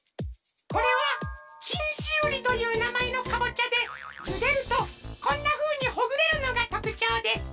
これはきんしうりというなまえのかぼちゃでゆでるとこんなふうにほぐれるのがとくちょうです。